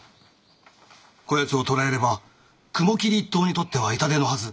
こやつを捕らえれば雲霧一党にとっては痛手のはず。